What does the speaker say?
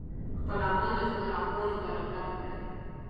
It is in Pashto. خپل اعمال د خپلو اقوالو برابر کړئ